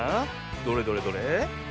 どれどれどれ。